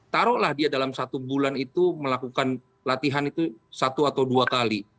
taruhlah dia dalam satu bulan itu melakukan latihan itu satu atau dua kali